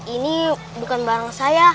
ini bukan barang saya